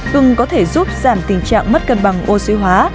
tùng có thể giúp giảm tình trạng mất cân bằng oxy hóa